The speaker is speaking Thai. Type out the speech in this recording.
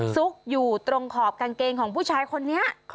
ซุกอยู่ตรงขอบกางเกงของผู้ชายคนนี้